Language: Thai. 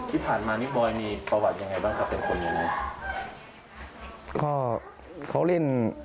ที่ผ่านมานี่บ่อยมีประวัติอย่างไรบ้างครับเป็นคนอย่างไร